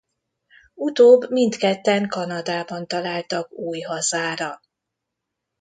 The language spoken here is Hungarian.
Utóbb mindketten Kanadában találtak új hazára.